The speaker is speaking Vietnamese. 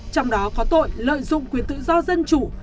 trong đó có tội lợi dụng quyền tự do dân chủ